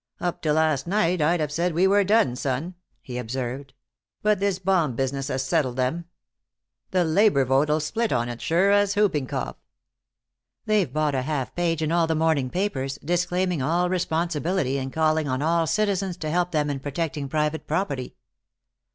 "Up to last night I'd have said we were done, son," he observed. "But this bomb business has settled them. The labor vote'll split on it, sure as whooping cough." "They've bought a half page in all the morning papers, disclaiming all responsibility and calling on all citizens to help them in protecting private property."